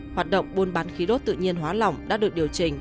hoạt động buôn bán khí đốt tự nhiên hóa lỏng đã được điều chỉnh